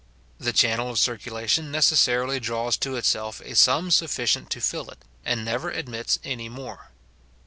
The channel of circulation necessarily draws to itself a sum sufficient to fill it, and never admits any more.